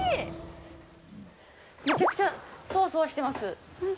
めちゃくちゃそわそわしてます。